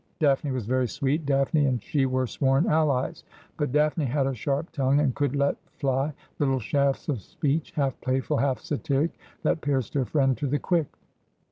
Daphne was very sweet ; Daphne and she were sworn aUies ; but Daphne had a sharp tongue, and could let fly little shafts of speech, half playful, half satiric, that pierced her friend to the quick.